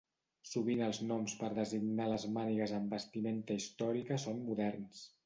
Sovint els noms per designar les mànigues en vestimenta històrica són moderns.